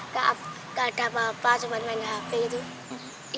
gak ada apa apa cuma main hp gitu